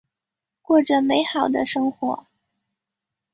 过着美好的生活。